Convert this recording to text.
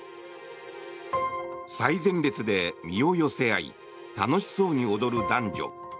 最前列で身を寄せ合い楽しそうに踊る男女。